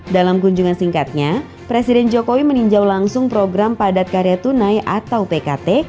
dalam kunjungan singkatnya presiden jokowi meninjau langsung program padat karya tunai atau pkt